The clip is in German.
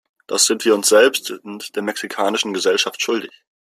Das sind wir uns selbst und der mexikanischen Gesellschaft schuldig!